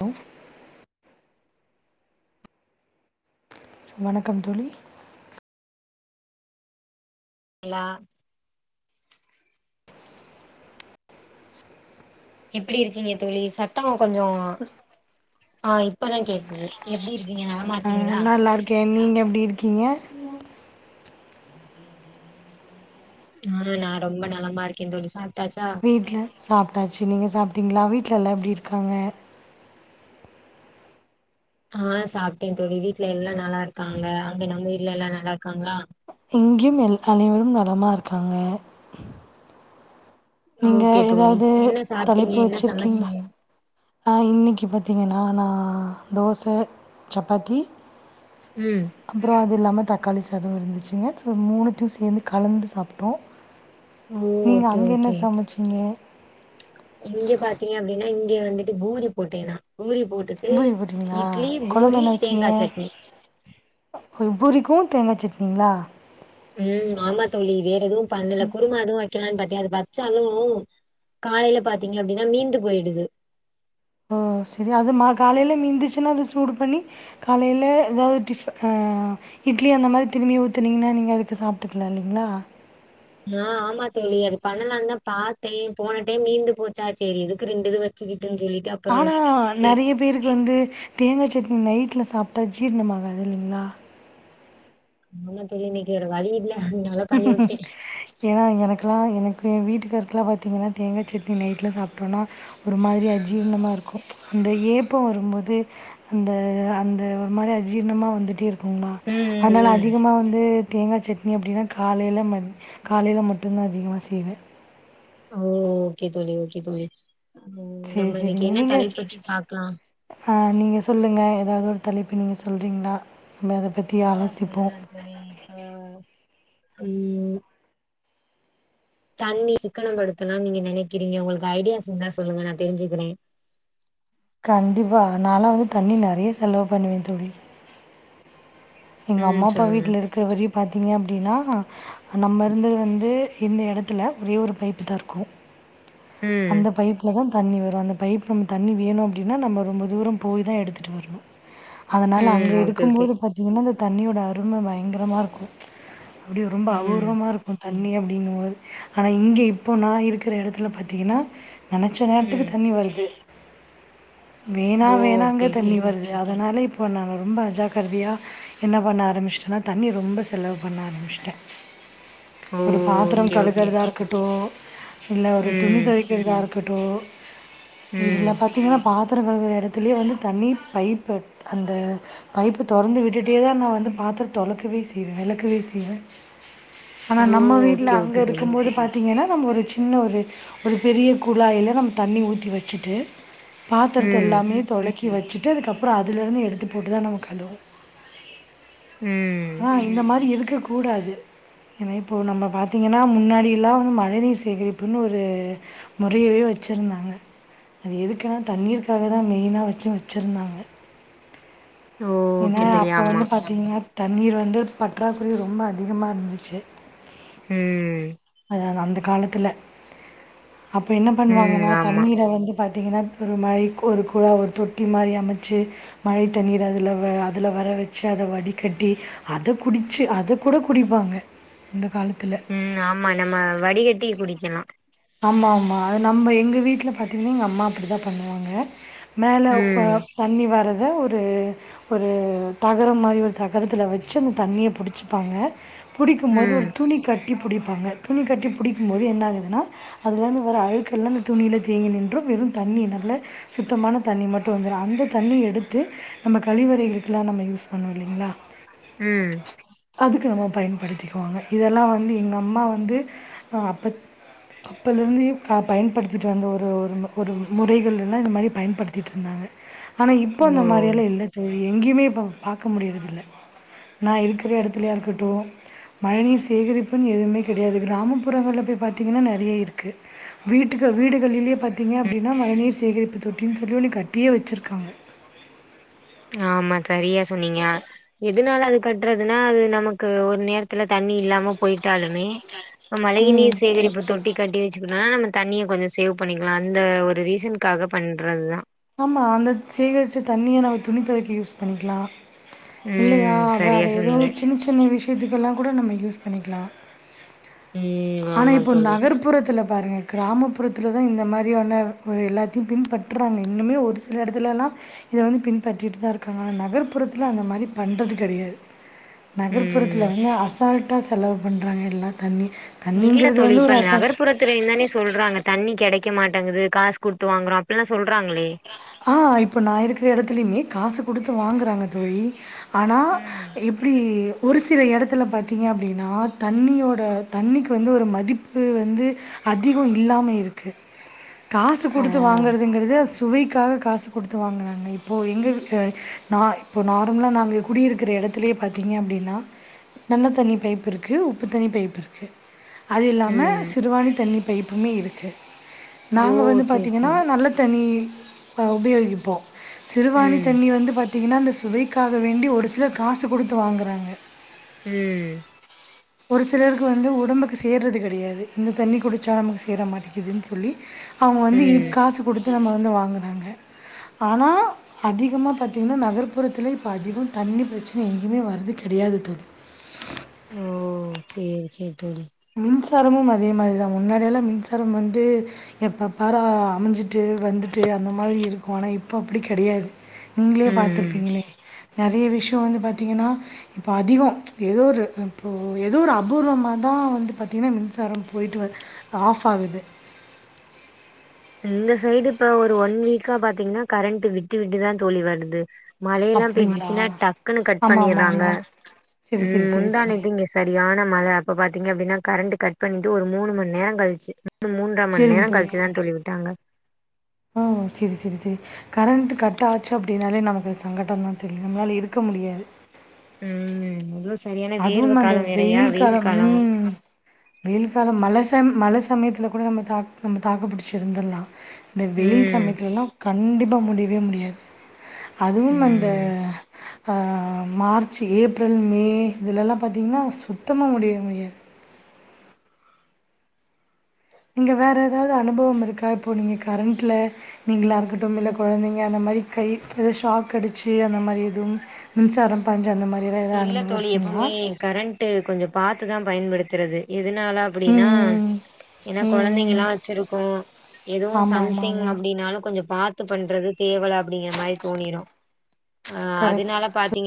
Hello வணக்கம் தோழி லா எப்படி இருக்கீங்க தோழி சத்த கொஞ்சோ ஆஹ் இப்பதா கேக்குது எப்டி இருக்கீங்க நலமா இருக்கு நல்லலா இருக்கே நீங்க எப்டி இருக்கீங்க ஆஹ் நான் ரொம்ப நலமா இருக்கே தோழி சா வீட்ல சாப்ட்டாச்சு நீங்க சாப்ட்டீங்களா வீட் எல்லார் எப்டி இருக்காங்க ஆஹ் சாப்ட்டே தோழி வீட்ல எல்லா நல்லா இருக்காங்க அங்க நம்ம வீட்ல எல்லா நல்லா இருக்காங்களா இங்கேம் எ அனைவரும் நலமா இருக்காங்க நீங்க ஓகே தோழி எதாவது என்ன சாப்ட்டீங்க தலைப்பு என்ன வச்சிருக்கீங்ளா சமச்சீங்க ஆஹ் இன்னைக்கு பாத்தீங்கன்னா நா நா தோச சப்பாத்தி ம் அப்றோ அது இல்லாம தக்காளி சட் சாத இருந்துச்சு சோ மூணுத்தயு சேர்ந்து கலந்து சாப்ட்டோ ஹோ ஓகே ஓகே ங்க இங்க பாத்தீங்க அப்டின்னா இங்க வந்துட்டு பூரி போட்டே நா பூரி போட்டுட்டு பூரி போட்டீங்களா இட்லி கொழம்பு பூரி என்ன தேங்கா சட்னி ஒ பூரிக்கு தேங்கா சட்னிங்ளா ம் ஆமா தோழி வேற எதுவும் பண்ணல குருமா அதுவு க்கெலான் பாத்தே அது வச்சாலும் காலையில பாத்தீங்க அப்டின்னா மீந்து போயிடுது ஓ சரி அது மா காலையில மீந்துச்சுன்னா அது சூடு பண்ணி காலையில ஏதாவது டிஃப் ஹா இட்லி அந்த மாரி திரும்பியு ஊத்துனீங்கன்னா நீங்க அதுக்கு சாப்ட்டுக்லா இல்லிங்ளா ஆஹ் ஆமா தோளி அது பண்ணலான்தா பாத்தேன் போன டைம் மீந்து போச்சா செரி எதுக்கு ரெண்டுது வச்சுகிட் ஆனா நறைய பேருக்கு வந்து தேங்கா சட் சட்னி நைட்ல சாப்ட்டா ஜீர்ணமாகாது இல்லிங்ளா ஆமா தோழி இன்னெக்வேற வலி இல்ல அதனால பண்ணி வுட்டே ஏன்னா எனக்லா எனக் என் வீட்டுக்கார்க்லா பாத்திங்கன்னா தேங்காய் சட்னி நைட்ல சாப்ட்டோனா ஒரு மாதிரி அஜீர்ணமா ருக்கும் அந்த ஏப்பொ வரும்போது அந்த அந்த ஒரு மாரி அஜீர்ணமா வந்துட்டே இரு கும ம் ம் அத்னால ம் அதிகமா வந்து தேங்கா சட்னி அப்டினா காலையில மத் காலையில மட்டுந்தா அதிகமா செய்வேன் ஓ ஓகே தோழி ஓகே தோழி ம் சரி நம்ம இன்னக்கி சரிங்க என்ன தலைப்ப பத்தி பாக்லா நீங்க சொல்லுங்க ஏதாவது ஒரு தலைப்பு நீங்க சொல்றீங்ளா ஆஹ் சொல்லலான் தோழி இப்ப ம் தண்ணி சிக்கனம் படுத்தலாம் நீங்க நினைக்கிறீங்க உங்கள்க்கு ஐடியாஸ் இருந்தா சொல்லுங்க நா தெரிஞ்சுக்றேன் கண்டிப்பா நாலா வந்து தண்ணி நறைய செலவு பண்ணுவேன் தோழி எங்க ம் அம்மா அப்பா சொல்லுங்க வீட்ல இருக்கற வரையு பாத்தீங்க அப்டின்னா நம்ம ருந்தது வந்து இந்த இடத்துல ஒரே ஒரு பைப்பு தா ருக்கு ம் அந்த பைப்ல தான் தண்ணி வரு அந்த பைப் நம்ம தண்ணி வேணு அப்டின்னா நம்ம ரொம்ப தூரம் போய் தான் எடுத்துட்டுவரணு அதனால அங்க ம் ஓகே இருக்கும் ஓகே போது பாத்தீங்கன்னா தண்ணியோட அரும பயங்கரமாக ருக்கு அப்டியே ரொம்ப ம் அபூர்வமா ருக்கும் தண்ணி அப்டிங்கும்போது ஆனா இங்கே இப்போ நா இருக்குற எடத்துல பா த்தினா நெனச்ச ம் நேர்த்துக்கு தண்ணி வருது ஓ வேணா வேணா ங்க ஓகே ஓகே தண்ணி வருது அப் அத்னால இப்போ நாங்க ரொம்ப அஜாகர்தியா என்ன பண்ண ஆரமிச்ட்டன்னா தண்ணி ரொம்ப செலவு பண்ண ஆரமிச்ட்டேன் ஓ ஒரு பாத்ரம் ஓகே ஓகே களுகறதா ருக்கட்டு இல்ல ஒரு ம் துணிதொவய்க கரோ இதுல ம் பாத்தீங்கன்னா பா பாத்திரம் கல்வேற இடத்துலையே வந்து தண்ணி பைப்பை அந்த பைப்பை திறந்து விட்டுட்டே தான் நான் வந்து பாத்திரம் தொளக்கவே செய்வேன் விளக்கவே செய்வேன் ஆனா ஓ நம்ம வீட்டுல ஓகே அங்க ஓகே தோழி இருக்கும் போதுபாத்தீங்கன்னா நம்ம ஒரு சின்ன ஒரு ஒரு பெரிய குழாயில் நம்ம தண்ணி ஊற்றி வச்சுட்டு பாத்திரத்து ம் எல்லாமே தொலைக்கி தக்கி வச்சுட்டு அதுக்கப்புறம் அதுலேருந்து எடுத்து போட்டு தான் நம்ம கழுவோம் ம் ஆஹ் இந்த மாதிரி இருக்கு இருக்க கூடாது ஏன்னா இப்போ நம்ம பாத்தீங்கன்னா முன்னாடியெல்லா வந்து மழை நீர் சேகரிப்புன்னு ஒரு முறையவே வச்சிருந்தாங்க அது எதுக்குன்னா தண்ணீருக்காக தா மெயினாக வச்சு வச்சிருந்தாங்க ஓ ஏன்னா ஓகே தோழி அப்ப ஆமா வந்து பாத்தீங்கன்னா தண்ணீர் வந்து பற்றாக்குறை ரொம்ப அதிகமாக இருந்துச்சு ம் அத வந்து காலத்துல அப்ப என்ன ம் பண்ணுவாங்கன்னா ஆமா தண்ணீர வந்து பாத் பாத்தீங்கன்னா ஒரு மழைக்கு ஒரு குழா ஒரு தொட்டி மாரி அமைச்சு மழை தண்ணீர அதுல அதுல வர வச்சு அத வடிகட்டி அத குடிச்சு அத கூட குடிப்பாங்க இந்த காலத்துல. ம் ஆமா நம்ம வடிகட்டி குடிக்கணு ஆமா ஆமா அது நம்ம எங்க வீட்டுல பாத்தீங்கன்னா எங்க அம்மா அப்படிதா பண்ணுவாங்க மேல ஒ ம் தண்ணி வரது [unintelligible] ஒரு ஒரு தகர மாரி தகரத்துல வச்சு அந்த தண்ணிய புடிச்சப்பாங்க புடிக்கும்போது ம் ஒரு துணி கட் கட்டி புடிப்பாங்க துணி கட்டி புடிக்கும் போது என்னாகுதுன்னா அதுலருந்து வர அழுக்கெல்லா அந்த துணியில தேங்கி நின்று வெறு தண்ணி நல்ல சுத்தமான தண்ணி மட்டு வந்துரு அந்த தண்ணி எடுத்து நம்ம கழிவறைகளுக்கெல்லா நம்ம யூஸ் பண்ணோயில்லைங்களா ம் அதுக்கு நம்ம பயன்படுத்திக்குவோங்க இதெல்லா வந்து எங்க அம்மா வந்து ஆ அப்ப அப்பலருந்து பயன்படுத்திட்டு வந்த ஒரு ஒரு ஒரு முறைகள்ளெல்லா இது மாரி பயன்படுத்திட்டுருந்தாங்க ஆனா இப்ப ஓ அந்த மாரியெல்லா இல்ல தோழி எங்கியுமே இப்போ பாக்க முடியிறதில்ல நா இருக்கிற எடத்துலயாயிருக்கட்டு மழை சேகரிப்புன்னு எதுவுமே கிடையாது கிராமப்புறங்கள்ல போய் பாத்தீங்கன்னா நெற வே இருக்கு வீட்டுக்கு வீடுகளிலியே பாத்தீங்க அப்டின்னா மழை நீர் சேகரிப்பு தொட்டின்னு சொல்லி ஒன்னு கட்டியே வச்சிருக்காங்க ஆமா சரியா சொன்னீங்க எதுனால அது கட்டுறதுன்னா அது நமக்கு ஒரு நேரத்துல தண்ணி இல்லாம போயிட்டாலுமே இந்த மழை நீர் ம் சேகரிப்ப தொட்டி கட்டி வச்சுக்கணு நம்ம தண்ணிய கொஞ்சோ சேவ் பண்ணிக்கலா அந்த ஒரு ரீசனுக்காக பண்றது தா ஆமா அந்த சேகரிச்ச தண்ணிய நம்ம துணி தொவைக்க யூஸ் பண்ணிக்கலா இல்லையா ம் வேற சரியா எதோ சொன்னீங்க ஒரு சின்ன சின்ன விஷ் இதுக்கெல்லா கூட நம்ம யூஸ் பண்ணிக்கலா ம் ஆனா ஆமா இப்போ தோழி நகர்ப்புறத்துல பாருங்க கிராமப்புறத்துலதா இந்த மாரியான எல்லாத்தியு பின்பற்றாங்க இன்னுமே ஒரு சில எடத்துலலா இத வந்து பின்பற்றிட்டுதா இருக்காங்க ஆனா நகர்ப்புறத்துல அந்த மாதரி பண்றது கெடையாது ம் நகர்ப்புறத்துல வந்து அசால்ட் ட்டா செலவு பண்றாங்க எல்லா தண்ணி இல்ல தண்ணிங்கிறது தோழி வந்து ஒரு இப்ப அசால்ட் நகர்ப்புறத்துலயு தானே சொல்றாங்க தண்ணி கெடைக் க்க மாட்டேங்கது காஸ் குடுத்து வாங்கறோ ஆ இப்ப நா இருக்கிற எடத்துலியுமே காசு குடுத்து வாங்குறாங்க தோழி ஆனா ம் எப்டி ஒரு சில எடத்துல பாத்தீங்க அப்டீனா தண்ணியோட தண்ணிக்கு வந்து ஒரு மதிப்பு வந்து அதிகோ இல்லாம இருக்கு. காசு ஓ குடுத்து வாங்கறத் சுவைக்காக காசு குடுத்து வாங்கறாங்க. இப்போ எங்க இருக்கு நா இப்போ நார்மலாக நாங்க குடியிருக்கிற எடத்துலே பார்த்தீங்க அப்டின்னா நன்ன தண்ணி பைப்பு இருக்கு. உப்பு தண்ணி பைப்பு இருக்கு அது இல்லாம ம் சிறுவாணி தண்ணி பைய்ப்புமே இருக்கு ஓ நாங்க வந்து சேரி பாத்தீங்கனா சேரி நல்ல ம் அ உபயோகிப்போ சிறுவாணி ம் தண்ணி வந்து பாத் பாத்திங்கன்னா அந்த சுவைக்காக வேண்டி ஒரு சிலர் காசு குடுத்து வாங்கறாங்க. உம் ஒரு சிலருக்கு வந்து உடம்புக்கு சேர்றது கெடையாது. இந்த தண்ணி குடிச்சா நமக்கு சேர மாட்டேக்குதுன் சொல்லி அவுங்க வந்து இதுக் ம் காசு குடுத் து நம்ம வந்து வாங்கறாங்க. ஆனா அதிகமா பாத்திங்கன்னா நகர்ப்புறத்தில இப்போ அதிகோ தண்ணி பிரச்சன எங்கயுமே வருது கெடையாது தோழி ம் சேரி சேர் தோழி மின்சாரமும் அதேமாரிதா முன்னாடியெல்லா மின்சாரம் வந்து எப்ப பார அமுஞ்சிட்டு வந்துட்டு அந்த மாரி இருக்கு. ஆனா இப்போ அப்டி கெடையாது. நீங்களே ம் ம் பாத்துர்ப்பீங்களே. நெறைய விஷ்யோ வந்து பாத்திங்கன்னா இப்போ அதிகோ ஏதோ ஒரு இப்போ ஏதோ ஒரு அபூர்வமா தா வந்து பாத்தீங்கனா மின்சாரம் போய்ட்டு வ ஆஃப் ஆகுது. இந்த சைடு இப்ப ஒரு ஒன் வீக்கா பாத்தீங்கன்னா கரண்டு விட்டு விட்டுதா தோழி வருது மழயெல்லா அப்படிங்களா? பேன்சுச்சுன்னா டக்குன்னு கட் ஆமா, ஆமா, பண்ணீறாங்க. ஆமா. சரி, சரி, உம் சரி தோழி. முந்தானேது இங்க சரியான மழ அப்பபா தீங்க அப்டினா கரண்ட் கட் பண்ணிட்டு ஒரு மூணு மணி நேரோ கழிச்சு மூன்ற மண் சரிங்க நேரோ தோழி. கழுச்சுதா தோழவி ஓ செரி செரி செரி கரண்ட் கட் ஆச்சு அப்டினாலே நமக்கு அது சங்கட்டோதா தோழி நம்மளால இருக்க முடியாது. உஹ்ம் அத அதுவும் அந்த வெயில் காலம் உம் வெயில் காலம் மலசம் மழை சமயத்தில கூட நம்ம தா நம்ம தாக்கு புடிச்சிருந்துர்லா இந்த வெயில் ம் சமயத்துலலா கண்டிப்பா முடி வே முடியா அதுவும் அந்த ம் பா மார்ச்சு ஏப்ரல் மே இதுலெல்லா பாத்தீங்ன்னா சுத்தமா முடிய முடியா நீங்க வேற எதாது அனுபவம் இருக்கா இப்போ நீங்க கரண்ட்ல நீங்குலா இருக்கட்டும் இல்ல கொழந்தைங்க அந்த மாரி கை எதாது ஷாக் அடிச்சு அந்த மாரி எதுவும் மின்சாரம் பாஞ்சு அந்த மார் இல்ல தோழி எப்பம்மே கரண்ட்டு கொஞ்சம் பாத்து தா பயன்படுத்துறது எதுனால ம் அப்படின்னா ஏன்னா எதுனால ம் அப்புடினா எனா ம் ம் ம் கொழந்தைங்குலா வச்சிருக்கோ எதுவு ஆமா, ஆமா, சம்திங் ஆமா. அப்டினாலு கொஞ்சோ பாத்து பண்றது தேவல அப்டிங்கிற மாரி தோணிரு அஹ் அதுனால கரெக்ட். பாத்தீங்க